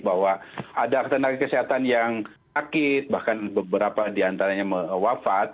bahwa ada tenaga kesehatan yang sakit bahkan beberapa diantaranya wafat